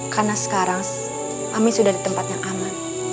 karena sekarang amin sudah di tempat yang aman